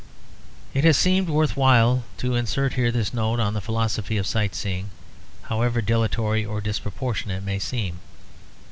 It has seemed worth while to insert here this note on the philosophy of sight seeing, however dilatory or disproportionate it may seem.